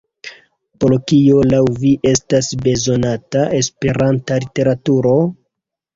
Por kio laŭ vi estas bezonata Esperanta literaturo?